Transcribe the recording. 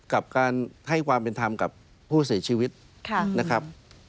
กับการให้ความเป็นธรรมกับผู้เสียชีวิตนะครับ